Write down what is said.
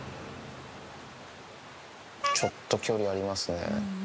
ちょっと距離ありますね。